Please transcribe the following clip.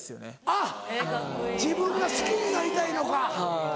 あっ自分が好きになりたいのか。